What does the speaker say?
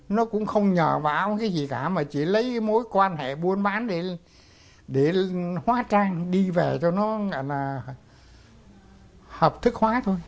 nó cũng không nhờ vào cái gì cả mà chỉ lấy mối quan hệ buôn bán để hóa trang đi về cho nó là hợp thức hóa thôi